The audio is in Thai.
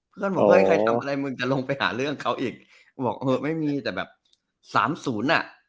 มึงจะลงไปหาเรื่องเขาอีกบอกไม่มีแต่แบบสามศูนย์อ่ะ